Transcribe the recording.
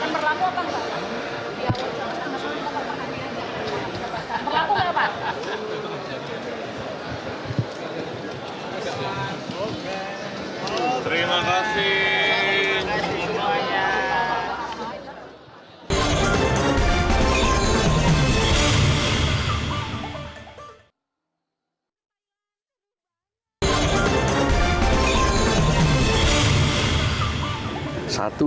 di awal pemerintahan bapak itu